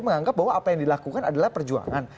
menganggap bahwa apa yang dilakukan adalah perjuangan